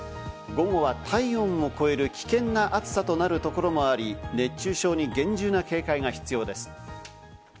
午後は体温を超える危険な暑さとなるところもあり、熱中症に厳重な警戒が必要です。